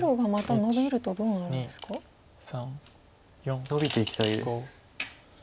ノビていきたいです。